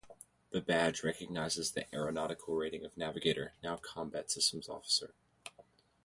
The badge recognizes the Aeronautical Rating of Navigator, now Combat Systems Officer.